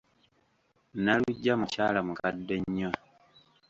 Naluggya mukyala mukadde nnyo.